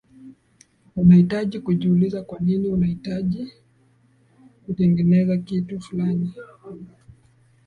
unahitaji kujiuliza kwanini unahitaji kutengeneza kitu fulani